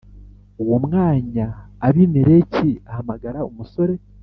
Uwo mwanya abimeleki ahamagara umusore